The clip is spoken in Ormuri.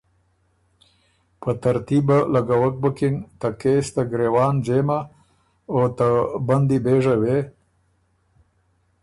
په ترتیبه لګوک بُکِن، ته کېس ته ګرېوان ځېمه او ته بندي بېژه وې